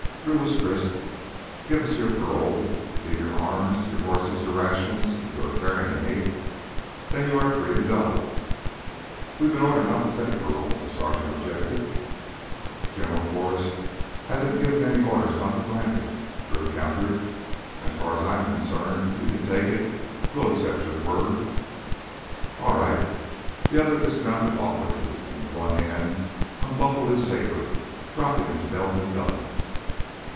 Drew was crisp. "Give us your parole, leave your arms, your horses, your rations if you are carrying any. Then you are free to go." "We've been ordered not to take parole," the sergeant objected. "General Forrest hasn't given any orders not to grant it," Drew countered. "As far as I am concerned, you can take it, we'll accept your word." "All right." The other dismounted awkwardly, and with one hand unbuckled his saber, dropping his belt and gun.